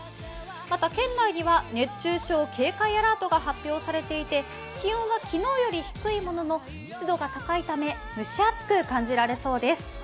また、県内には熱中症警戒アラートが発表されていて、気温は昨日より低いものの湿度が高いため蒸し暑く感じられそうです。